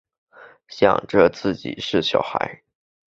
想着自己是小孩